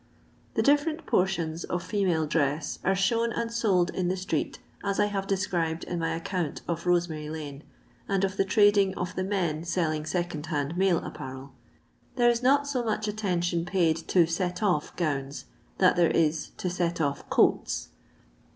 *" The different portions of female dress are shown and sold in the street, as I have described in my account of Kosemary lane, and of the trading of the men selling second hand male apparel. There is not so much attention paid to " set off" gowns that there is to set off coats.